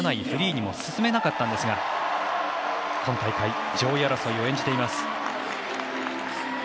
フリーにも進めなかったんですが今大会、上位争いを演じています。